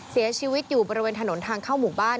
เสียชีวิตอยู่บริเวณถนนทางเข้าหมู่บ้าน